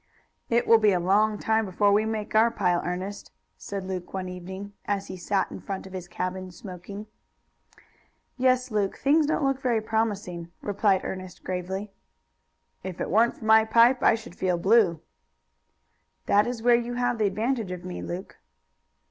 "It will be a long time before we make our pile, Ernest," said Luke one evening, as he sat in front of his cabin smoking. "Yes, Luke, things don't look very promising," replied Ernest gravely. "If it weren't for my pipe I should feel blue." "That is where you have the advantage of me, Luke."